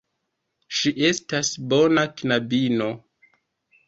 Ŝi estas bona knabino.